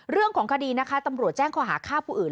เรื่องของคดีนะคะตำรวจแจ้งข้อหาฆ่าผู้อื่น